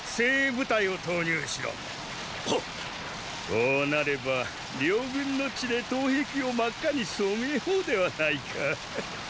こうなれば両軍の血で東壁を真っ赤に染めようではないか。